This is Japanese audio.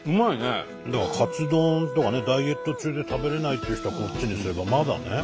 だからカツ丼とかねダイエット中で食べれないっていう人はこっちにすればまだね。